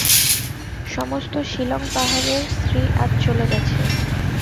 সমস্ত শিলঙ পাহাড়ের শ্রী আজ চলে গেছে।